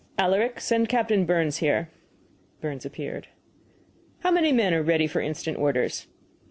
"Alaric, send Captain Burns here." Burns appeared. "How many men are ready for instant orders?"